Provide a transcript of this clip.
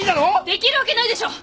できるわけないでしょう！